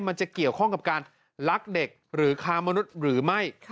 มันจะเกี่ยวข้องกับการลักเด็กหรือค้ามนุษย์หรือไม่